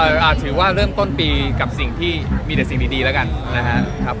ถือว่าเริ่มต้นปีกับสิ่งที่มีแต่สิ่งดีแล้วกันนะครับ